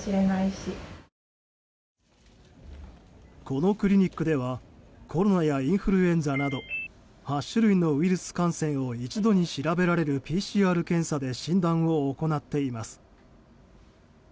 このクリニックではコロナやインフルエンザなど８種類のウイルス感染を一度に調べられるＰＣＲ検査で診断を行っています。